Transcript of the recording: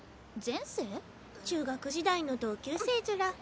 中学時代の同級生ずら。